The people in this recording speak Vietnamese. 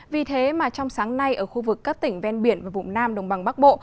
vì thế mà trong sáng nay ở khu vực các tỉnh ven biển và vùng nam đồng bằng bắc bộ